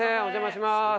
お邪魔します。